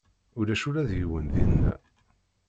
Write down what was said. Ulac ula d yiwen dinna.